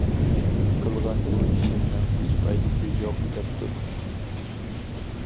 قىلغان بۇ ئىشىمنىڭ ھېچ پايدىسى يوق دەپتۇ.